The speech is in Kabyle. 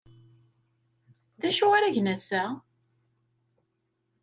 D acu ara gen ass-a?